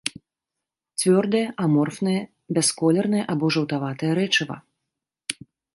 Цвёрдае аморфнае бясколернае або жаўтаватае рэчыва.